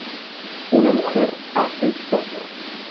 Una mujer hace historia".